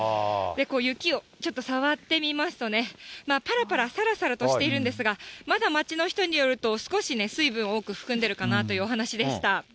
雪をちょっと触ってみますとね、ぱらぱら、さらさらとしているんですが、まだ町の人によると、少し水分を多く含んでいるかなというお話でした。